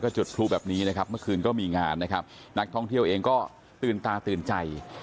จุดพลุแบบนี้นะครับเมื่อคืนก็มีงานนะครับนักท่องเที่ยวเองก็ตื่นตาตื่นใจ